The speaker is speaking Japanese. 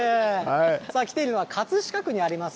来ているのは葛飾区にあります